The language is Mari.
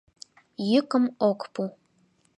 Йӱкым ок пу.